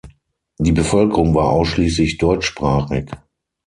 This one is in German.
Die Bevölkerung war ausschließlich deutschsprachig.